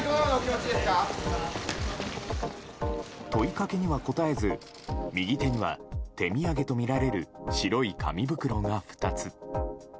問いかけには答えず右手には手土産とみられる白い紙袋が２つ。